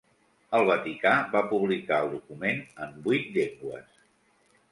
El Vaticà va publicar el document en vuit llengües.